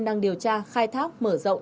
đang điều tra khai thác mở rộng